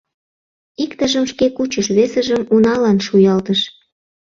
Иктыжым шке кучыш, весыжым уналан шуялтыш.